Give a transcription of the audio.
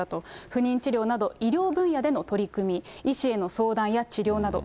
不妊治療など医療分野での取り組み、医師への相談や治療など、